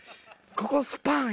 ここスパン！